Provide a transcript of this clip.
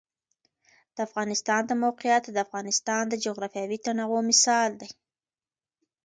د افغانستان د موقعیت د افغانستان د جغرافیوي تنوع مثال دی.